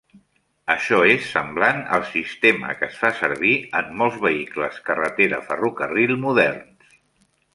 Això és semblant al sistema que es fa servir en molts vehicles carretera/ferrocarril moderns.